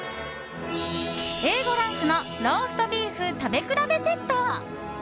Ａ５ランクのローストビーフ食べ比べセット。